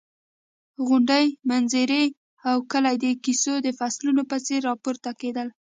غونډۍ، منظرې او کلي د کیسو د فصلونو په څېر راپورته کېدل.